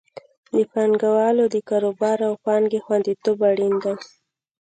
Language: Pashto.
د پانګوالو د کاروبار او پانګې خوندیتوب اړین دی.